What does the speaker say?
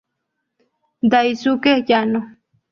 Daisuke Yano